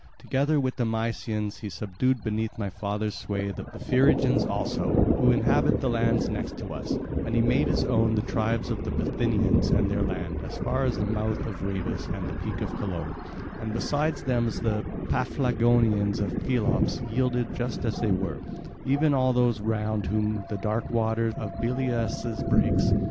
Together with the Mysians he subdued beneath my father's sway the Phrygians also, who inhabit the lands next to us, and he made his own the tribes of the Bithynians and their land, as far as the mouth of Rhebas and the peak of Colone; and besides them the Paphlagonians of Pelops yielded just as they were, even all those round whom the dark water of Billaeus breaks.